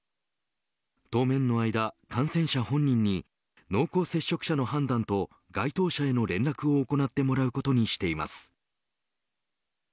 当面の間、感染者本人に濃厚接触者の判断と該当者への連絡を行ってもらうことにしています。